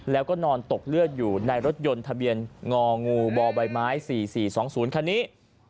แล้วก็นอนตกเลือดอยู่ในรถยนต์ทะเบียนงองูบใบไม้๔๔๒๐คันนี้